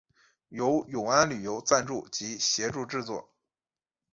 由永安旅游赞助及协助制作。